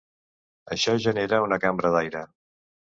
Això genera una cambra d’aire.